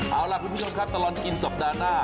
เอาล่ะคุณผู้ชมครับตลอดกินสัปดาห์หน้า